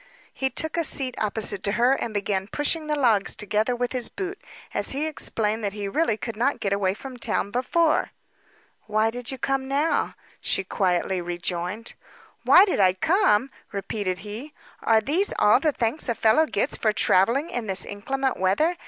He took a seat opposite to her, and began pushing the logs together with his boot, as he explained that he really could not get away from town before. "Why did you come now?" she quietly rejoined. "Why did I come?" repeated he. "Are these all the thanks a fellow gets for travelling in this inclement weather?